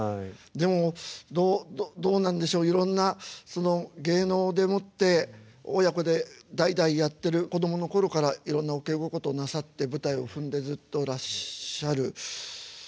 でもどうなんでしょういろんな芸能でもって親子で代々やってる子供の頃からいろんなお稽古事なさって舞台を踏んでずっとらっしゃる。